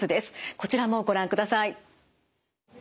こちらもご覧ください。